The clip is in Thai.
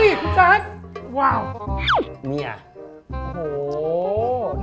เอ้านั่นแหละครับ